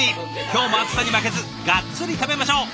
今日も暑さに負けずガッツリ食べましょう！